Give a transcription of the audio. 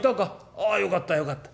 ああよかったよかった。